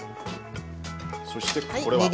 そしてこれは？